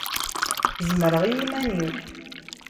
Zemreɣ i iman-iw.